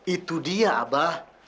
itu dia abah